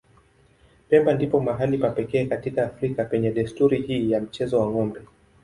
Pemba ndipo mahali pa pekee katika Afrika penye desturi hii ya mchezo wa ng'ombe.